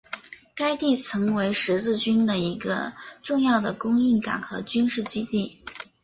该地曾为十字军的一个重要的供应港和军事基地。